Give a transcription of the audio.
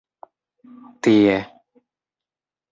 tie